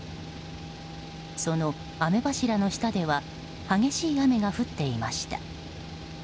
その雨柱の下では激しい雨が降っていました。